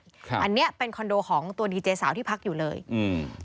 อันเนี้ยเป็นคอนโดของตัวดีเจสาวที่พักอยู่เลยอืม